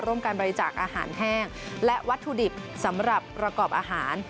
การบริจาคอาหารแห้งและวัตถุดิบสำหรับประกอบอาหาร